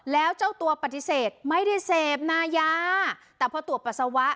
แล้วเจ้าตัวปฏิเสธไม่ได้เสพนายาแต่พอตรวจปัสสาวะ